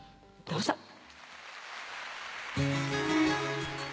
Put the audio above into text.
どうぞ。